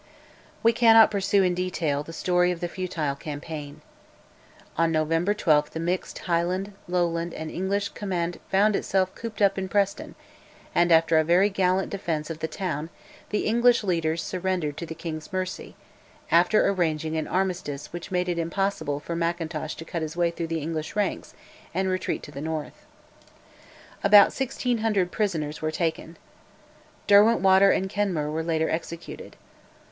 We cannot pursue in detail the story of the futile campaign. On November 12 the mixed Highland, Lowland, and English command found itself cooped up in Preston, and after a very gallant defence of the town the English leaders surrendered to the king's mercy, after arranging an armistice which made it impossible for Mackintosh to cut his way through the English ranks and retreat to the north. About 1600 prisoners were taken. Derwentwater and Kenmure were later executed.